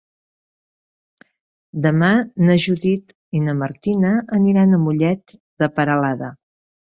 Demà na Judit i na Martina aniran a Mollet de Peralada.